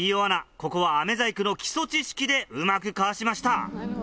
ここは飴細工の基礎知識でうまくかわしました。